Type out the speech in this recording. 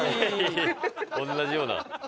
同じような。